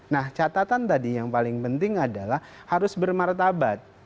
nah catatan tadi yang paling penting adalah harus bermartabat